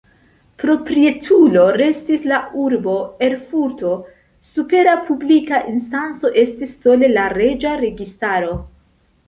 Proprietulo restis la urbo Erfurto, supera publika instanco estis sole la reĝa registaro.